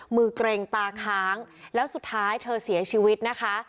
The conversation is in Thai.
เกร็งตาค้างแล้วสุดท้ายเธอเสียชีวิตนะคะ